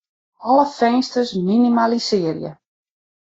Alle finsters minimalisearje.